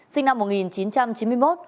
sinh năm một nghìn chín trăm chín mươi một